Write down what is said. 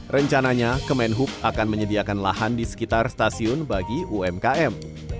rencananya kemenhub akan menyediakan lahan di sekitar stasiun bagi umkm